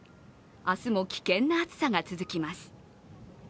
明日も危険な暑さが続きます。